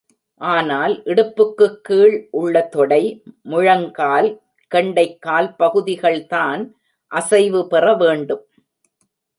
ஆனால் இடுப்புக்குக் கீழ் உள்ள தொடை, முழங்கால் கெண்டைக்கால் பகுதிகள் தான் அசைவு பெற வேண்டும்.